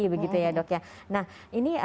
begitu ya dok ya nah ini